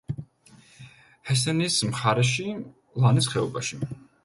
ჰესენის მხარეში, ლანის ხეობაში.